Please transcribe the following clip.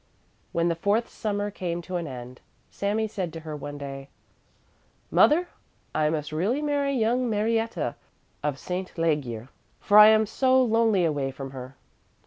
When the fourth Summer came to an end, Sami said to her one day: "Mother, I must really marry young Marietta of St. Legier, for I am so lonely away from her."